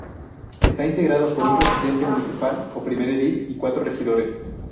Está integrado por un presidente municipal o primer edil y cuatro regidores.